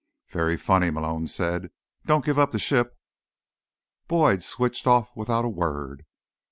"Very funny," Malone said. "Don't give up the ship." Boyd switched off without a word.